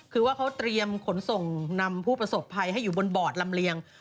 คือว่าเขาเตรียมขนส่งนำผู้ประสบภัยให้อยู่บนบอร์ดลำเลียง